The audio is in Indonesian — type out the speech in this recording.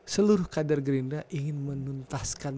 pak kadar gerinda ingin menuntaskan